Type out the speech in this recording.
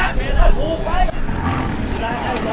วันนี้เราจะมาจอดรถที่แรงละเห็นเป็น